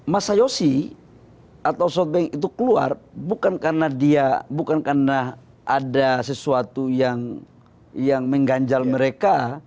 mas sayosi atau softbank itu keluar bukan karena ada sesuatu yang mengganjal mereka